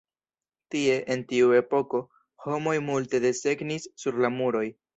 Tie, en tiu epoko, homoj multe desegnis sur la muroj.